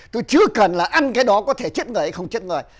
tôi chưa cần là ăn cái đó có thể chết người hay không chết người